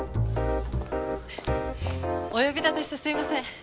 お呼び立てしてすいません。